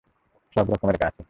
সব রকমের গাছে।